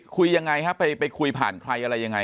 คุยยังไงครับไปคุยผ่านใครอะไรยังไง